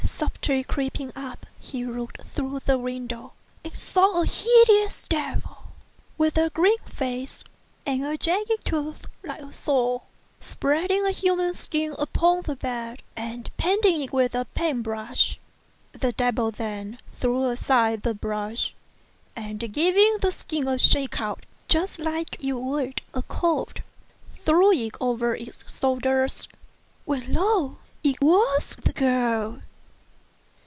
Softly creeping up, he looked through the window and saw a hideous devil, with a green face and jagged teeth like a saw, spreading a human skin upon the bed and painting it with a paint brush. The devil then threw aside the brush, and giving the skin a shake out, just as you would a coat, threw it over its shoulders, when, lo! it was the girl.